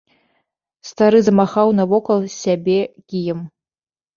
Стары замахаў навокал сябе кіем.